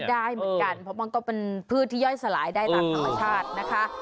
ได้เหมือนกันเพราะมันก็เป็นพืชที่ย่อยสลายได้ตามธรรมชาตินะคะ